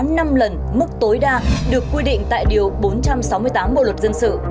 năm lần mức tối đa được quy định tại điều bốn trăm sáu mươi tám bộ luật dân sự